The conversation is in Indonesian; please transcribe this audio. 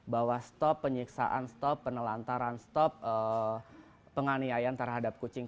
bahwa stop penyiksaan stop penelantaran stop penganiayaan terhadap kucing